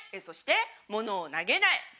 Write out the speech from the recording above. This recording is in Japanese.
そしてものを投げない。